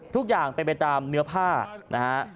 ทุกอย่างเป็นไปตามเนื้อผ้านะฮะ